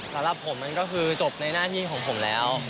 สำหรับผมมันก็คือจบในหน้าที่ของผมแล้ว